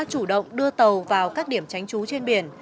chủ động đưa tàu vào các điểm tránh trú trên biển